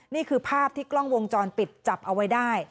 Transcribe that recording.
นี่คือภาพที่กล้องวงจรปิดจับเอาไว้ได้